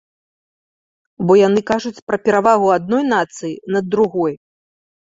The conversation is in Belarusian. Бо яны кажуць пра перавагу адной нацыі над другой.